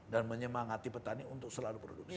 dan menyemangati petani untuk selalu produksi